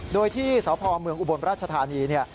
โดยที่สพเมืองอุบลราชธานีเนี่ย